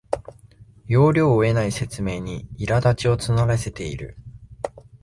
要領を得ない説明にいらだちを募らせている